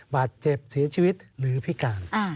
บาดเจ็บเสียชีวิตหรือพิการ